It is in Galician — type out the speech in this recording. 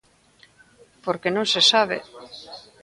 Porque non se sabe.